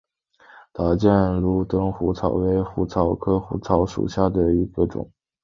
打箭炉虎耳草为虎耳草科虎耳草属下的一个种。